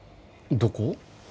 どこ？